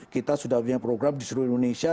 kita sudah punya program di seluruh indonesia